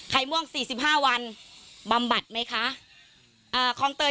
ม่วงสี่สิบห้าวันบำบัดไหมคะเอ่อคลองเตย